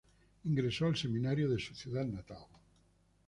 Ingresó al seminario de su ciudad natal.